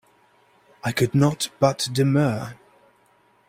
I could not but demur.